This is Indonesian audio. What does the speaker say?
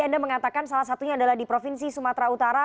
anda mengatakan salah satunya adalah di provinsi sumatera utara